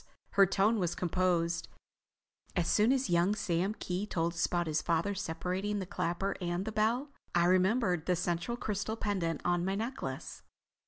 Her tone was composed. "As soon as young Sam Kee told us about his father's separating the clapper and the bell, I remembered the central crystal pendant on my necklace.